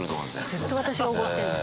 ずっと私がおごってるのよ。